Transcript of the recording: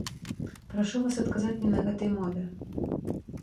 Прашу вас адказаць мне на гэтай мове.